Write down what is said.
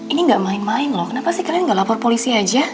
ini gak main main loh kenapa sih kalian nggak lapor polisi aja